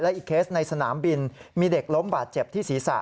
อีกเคสในสนามบินมีเด็กล้มบาดเจ็บที่ศีรษะ